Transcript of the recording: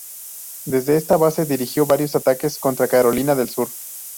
Desde esta base dirigió varios ataques contra Carolina del Sur.